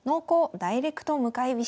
ダイレクト向かい飛車」。